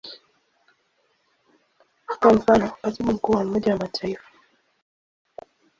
Kwa mfano, Katibu Mkuu wa Umoja wa Mataifa.